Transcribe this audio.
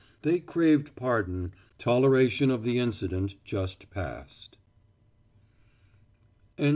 They craved pardon toleration of the incident just passed.